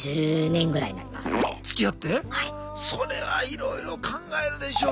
それはいろいろ考えるでしょう。